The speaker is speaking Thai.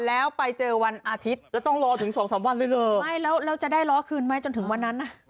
แล้วไปเจอวันอาทิตย์แล้วต้องรอถึงสองสามวันเลยเหรอไม่แล้วแล้วจะได้ล้อคืนไหมจนถึงวันนั้นน่ะ